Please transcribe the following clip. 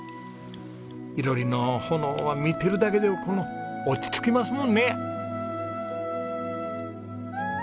囲炉裏の炎は見てるだけでこの落ち着きますもんね！